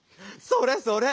それそれ！